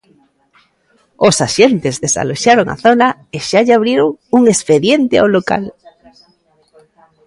Os axentes desaloxaron a zona e xa lle abriron un expediente ao local.